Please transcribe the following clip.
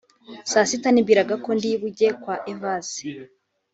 saa sita nibwiraga ko ndi bujye kwa Evase